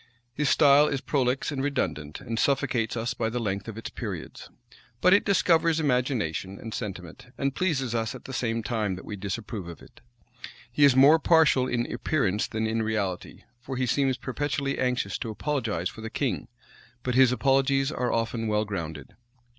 His style is prolix and redundant, and suffocates us by the length of its periods: but it discovers imagination and sentiment, and pleases us at the same time that we disapprove of it. He is more partial in appearance than in reality for he seems perpetually anxious to apologize for the king; but his apologies are often well grounded.